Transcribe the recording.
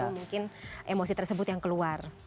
mungkin emosi tersebut yang keluar